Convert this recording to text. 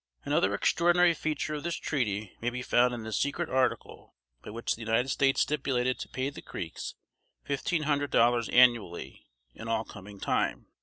Another extraordinary feature of this treaty may be found in the secret article, by which the United States stipulated to pay the Creeks fifteen hundred dollars annually, in all coming time.